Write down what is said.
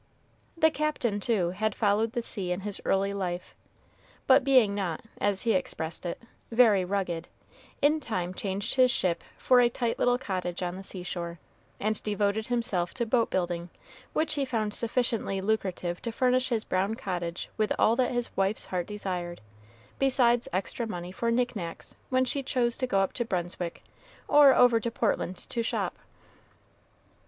The Captain, too, had followed the sea in his early life, but being not, as he expressed it, "very rugged," in time changed his ship for a tight little cottage on the seashore, and devoted himself to boat building, which he found sufficiently lucrative to furnish his brown cottage with all that his wife's heart desired, besides extra money for knick knacks when she chose to go up to Brunswick or over to Portland to shop.